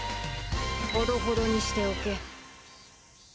ほどほどにしておけ。